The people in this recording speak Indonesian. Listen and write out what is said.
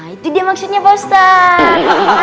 itu dia maksudnya pak ustaz